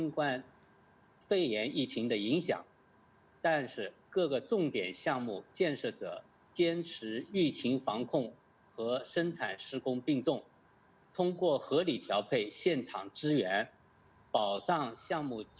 kita memiliki kekuatan yang baru